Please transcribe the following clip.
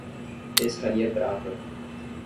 Pescaria Brava